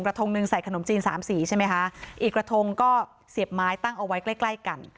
ทงหนึ่งใส่ขนมจีนสามสีใช่ไหมคะอีกกระทงก็เสียบไม้ตั้งเอาไว้ใกล้ใกล้กัน